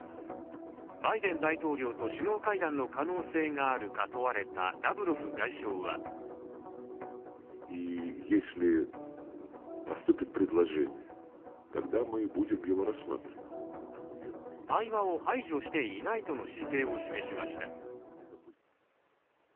バイデン大統領と首脳会談の可能性があるか問われたラブロフ外相は対話を排除していないとの姿勢を示しました。